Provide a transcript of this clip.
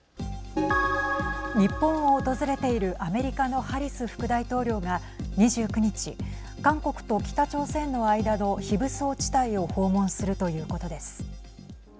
日本を訪れているアメリカのハリス副大統領が２９日、韓国と北朝鮮の間の非武装地帯を訪問するということです。